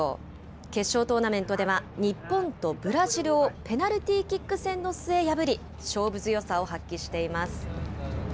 決勝トーナメントでは日本とブラジルをペナルティーキック戦の末破り、勝負強さを発揮しています。